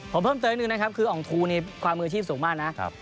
ผมเพิ่มเทอดหนึ่งของออกหนุ่มในประโยชน์มือชีพสูง